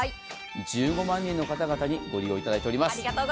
１５万人の方々にご利用いただいております。